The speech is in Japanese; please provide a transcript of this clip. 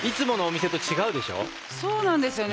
そうなんですよね